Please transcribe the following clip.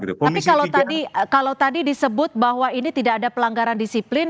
tapi kalau tadi disebut bahwa ini tidak ada pelanggaran disiplin